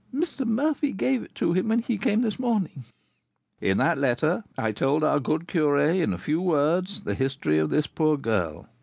"Mr. Murphy gave it to him when he came this morning." "In that letter I told our good curé, in a few words, the history of this poor girl.